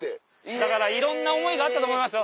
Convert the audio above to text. だからいろんな思いがあったと思いますよ